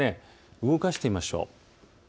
動かしてみましょう。